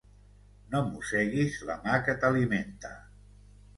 No mosseguis la mà que t'alimenta.